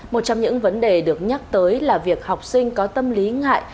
một trong những vấn đề được nhắc tới là việc học sinh có tâm lý ngại